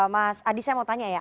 mas adi saya mau tanya ya